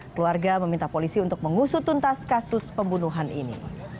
keluarga meminta polisi untuk mengusut tuntas kasus pembunuhan ini